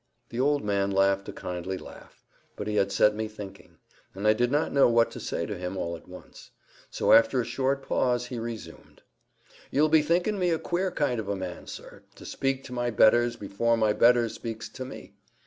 The old man laughed a kindly laugh; but he had set me thinking, and I did not know what to say to him all at once. So after a short pause, he resumed— "You'll be thinking me a queer kind of a man, sir, to speak to my betters before my betters speaks to me.